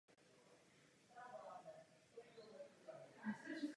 Usilovali jsme o tuto rovnováhu.